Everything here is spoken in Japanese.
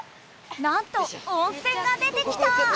なんと温泉が出てきた！